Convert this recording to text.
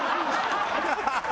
ハハハハ！